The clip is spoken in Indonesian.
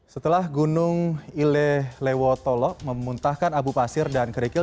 setelah gunung ile lewotolo memuntahkan abu pasir dan kerikil